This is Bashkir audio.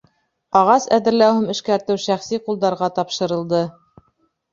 Ағас әҙерләү һәм эшкәртеү шәхси ҡулдарға тапшырылды.